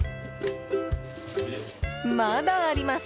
まだあります。